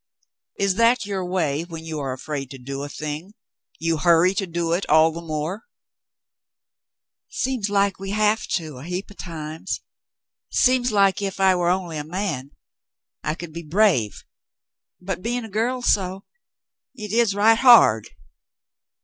"Is that your way when you are afraid to do a thing; you hurry to do it all the more ?" "Seems like we have to a heap of times. Seems like if I were only a man, I could be brave, but being a girl so, it is right hard."